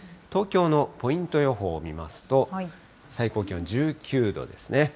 東京のポイント予報を見ますと、最高気温１９度ですね。